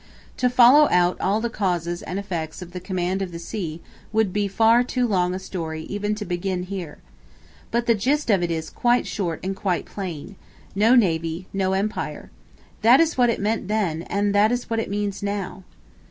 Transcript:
To follow out all the causes and effects of the command of the sea would be far too long a story even to begin here. But the gist of it is quite short and quite plain: no Navy, no Empire. That is what it meant then, and that is what it means now.